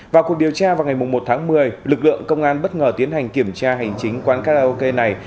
vào cuộc điều tra vào ngày một tháng một mươi lực lượng công an bất ngờ tiến hành kiểm tra hành chính quán karaoke này